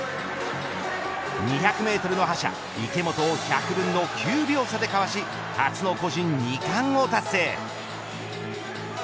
２００メートルの覇者池本を１００分の９秒差でかわし初の個人２冠を達成。